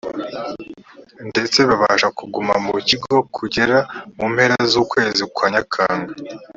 ndetse babasha kuguma mu kigo kugera mu mpera z ukwezi kwa nyakanga